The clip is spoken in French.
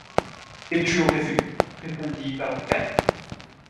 Et tu aurais vu, répondit Barbicane.